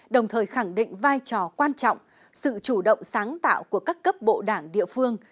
đồng thời khẳng định vai trò quan trọng sự chủ động sáng tạo của các cấp bộ đảng địa phương